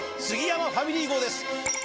杉山ファミリー号」です。